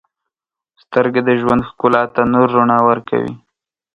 • سترګې د ژوند ښکلا ته نور رڼا ورکوي.